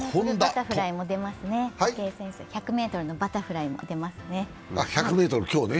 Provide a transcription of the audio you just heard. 池江選手、１００ｍのバタフライにも出ますね。